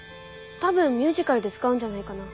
多分ミュージカルで使うんじゃないかな。